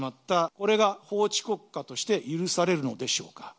これが法治国家として許されるのでしょうか。